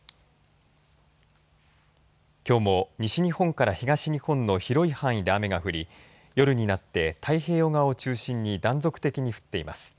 きょうも西日本から東日本の広い範囲で雨が降り夜になって太平洋側を中心に断続的に降っています。